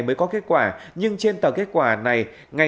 mới có kết quả nhưng trên tờ kết quả này